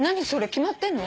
決まってんの？